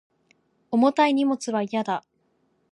重たい荷物は嫌だ